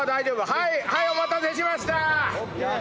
はいお待たせしました。